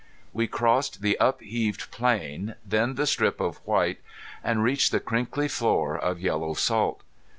We crossed the upheaved plain, then the strip of white, and reached the crinkly floor of yellow salt.